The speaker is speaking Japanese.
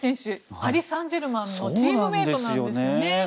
パリ・サンジェルマンのチームメートなんですよね。